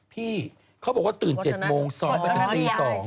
พี่เขาบอกว่าตื่น๗โมง๒ไปถึงตี๒